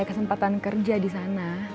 kesempatan kerja di sana